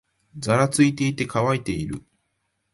ざらついていて、乾いている